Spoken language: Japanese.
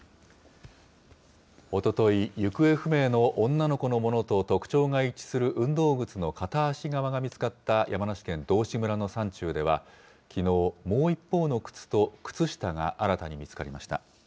おととい、行方不明の女の子のものと特徴が一致する運動靴の片足側が見つかった山梨県道志村の山中では、きのう、もう一方の靴と靴下が新たに見つかりました。